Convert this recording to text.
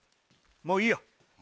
もういいよ。